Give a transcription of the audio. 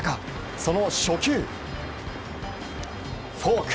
その初球、フォーク。